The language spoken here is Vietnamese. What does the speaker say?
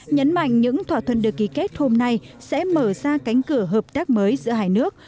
nhấn mạnh những thỏa thuận được ký kết hôm nay sẽ mở ra cánh cửa hợp tác mới giữa hai nước